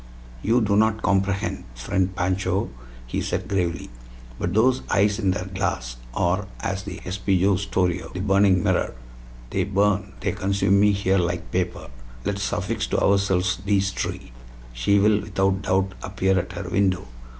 "You do not comprehend, friend Pancho," he said gravely, "but those eyes in their glass are as the ESPEJO USTORIO, the burning mirror. They burn, they consume me here like paper. Let us affix to ourselves thees tree. She will, without doubt, appear at her window.